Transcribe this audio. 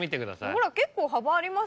ほら結構幅ありますよ。